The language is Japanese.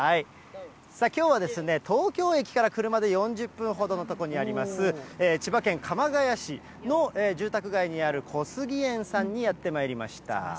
きょうは東京駅から車で４０分ほどの所にあります、千葉県鎌ケ谷市の住宅街にある小杉園さんにやってまいりました。